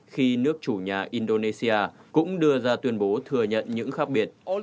khi nước chủ nhà indonesia cũng đưa ra tuyên bố thừa nhận những khác biệt